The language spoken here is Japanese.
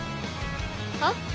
はっ？